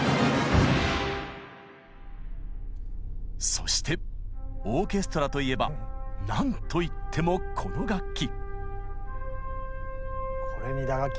そしてオーケストラといえばなんといってもこの楽器。